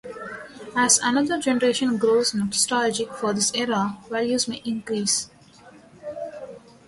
As another generation grows nostalgic for this era, values may increase.